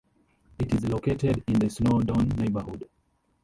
It is located in the Snowdon neighbourhood.